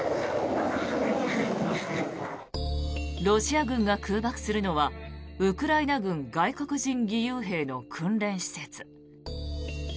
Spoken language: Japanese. ロシア軍が空爆するのはウクライナ軍外国人義勇兵の訓練施設。